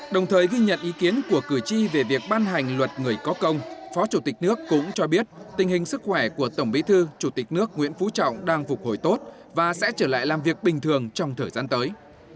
đồng thời ghi nhận ý kiến của cử tri về việc ban hành luật người có công phó chủ tịch nước cũng cho biết tình hình sức khỏe của tổng bí thư chủ tịch nước nguyễn phú trọng đang phục hồi tốt và sẽ trở lại làm việc bình thường trong thời gian tới